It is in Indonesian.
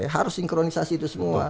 harus sinkronisasi itu semua